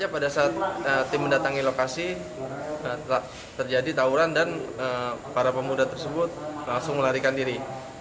pada saat tim mendatangi lokasi terjadi tawuran dan para pemuda tersebut langsung melarikan diri